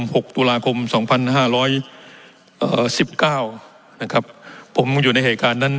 หกตุลาคมสองพันห้าร้อยเอ่อสิบเก้านะครับผมอยู่ในเหตุการณ์นั้น